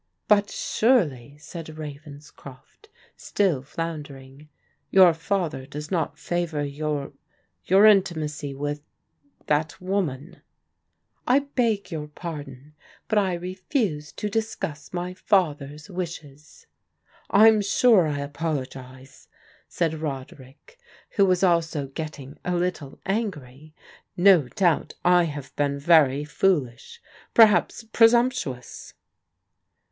" But surely," said Ravenscroft, still floundering, " your father does not favour your — ^your intimacy with — ^that woman ?"" I beg your pardon, but I refuse to discuss my fa ther's wishes." " I'm sure I apologize," said Roderick, who was also ' getting a little angry ;" no doubt I have been very foolish — ^perhaps presumptuous."